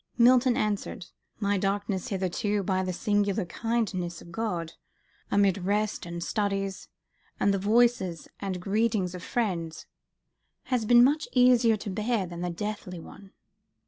Milton answered, "My darkness hitherto, by the singular kindness of God, amid rest and studies, and the voices and greetings of friends, has been much easier to bear than that deathly one.